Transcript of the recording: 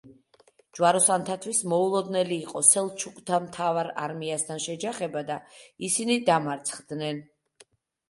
ჯვაროსანთათვის მოულოდნელი იყო სელჩუკთა მთავარ არმიასთან შეჯახება და ისინი დამარცხდნენ.